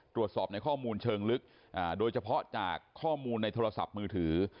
ตรวจสอบในข้อมูลเชิงลึกโดยเฉพาะจากข้อมูลในโทรศัพท์มือถือ